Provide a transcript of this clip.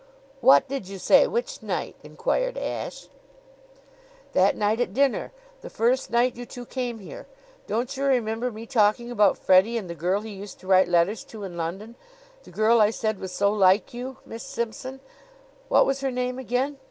"What did you say? Which night?" inquired Ashe. "That night at dinner the first night you two came here. Don't you remember me talking about Freddie and the girl he used to write letters to in London the girl I said was so like you, Miss Simpson? What was her name again?